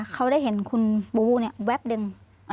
เขาได้เห็นคุณบูบูเนี่ยแวบหนึ่ง